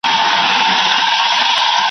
د زړه له درده مي دا غزل ولیکله `